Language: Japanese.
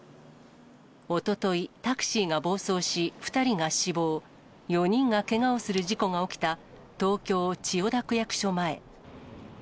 おととい、タクシーが暴走し、２人が死亡、４人がけがをする事故が起きた東京・千代田区役所前。